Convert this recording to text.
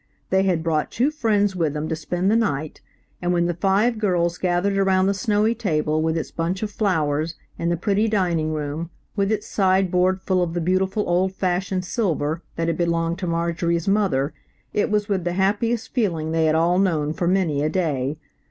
They had brought two friends with them to spend the night, and when the five girls gathered around the snowy table, with its bunch of flowers, in the pretty dining room, with its sideboard full of the beautiful old fashioned silver that had belonged to Marjorie's mother, it was with the happiest feeling they had all known for many a day.